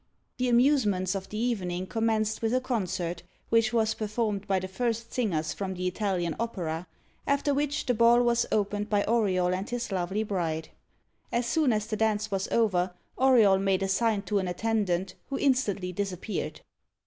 The amusements of the evening commenced with a concert, which was performed by the first singers from the Italian Opera; after which, the ball was opened by Auriol and his lovely bride. As soon as the dance was over, Auriol made a sign to an attendant, who instantly disappeared.